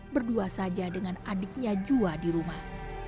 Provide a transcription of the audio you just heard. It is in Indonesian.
berdua saja dengan adiknya jua di rumah